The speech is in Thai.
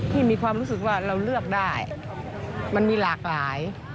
มีความรู้สึกว่าเราเลือกได้มันมีหลากหลาย